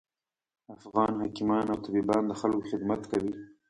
افغان حکیمان او طبیبان د خلکوخدمت کوي